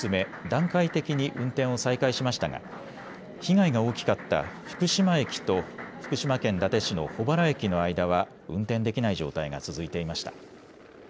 段階的に運転を再開しましたが被害が大きかった福島駅と福島県伊達市の保原駅の間は運転できない状態が続いていました。